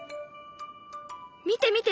見て見て！